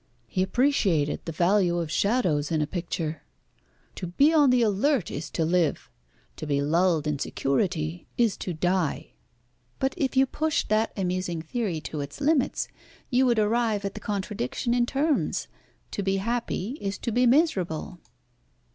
He appreciated the value of shadows in a picture. To be on the alert is to live. To be lulled in security is to die." "But if you pushed that amusing theory to its limits you would arrive at the contradiction in terms to be happy is to be miserable."